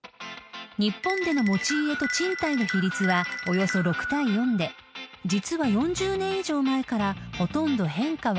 ［日本での持ち家と賃貸の比率はおよそ６対４で実は４０年以上前からほとんど変化はありません］